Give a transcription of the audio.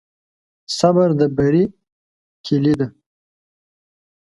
صبر د بری کلي ده.